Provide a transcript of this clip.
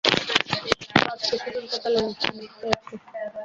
বাজ, কিছু শুনতে পেলেন হুম, পেয়েছি।